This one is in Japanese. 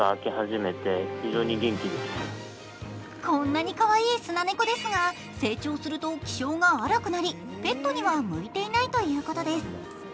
こんなにかわいいスナネコですが成長すると気性が荒くなりペットには向いていないということです。